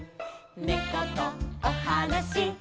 「ねことおはなしできる」